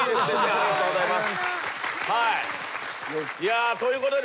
ありがとうございます。